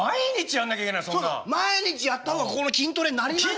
毎日やった方がここの筋トレになりますから。